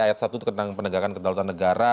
ayat satu tentang penegakan kedaulatan negara